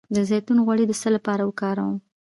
د زیتون غوړي د څه لپاره وکاروم؟